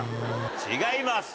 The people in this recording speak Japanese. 違います。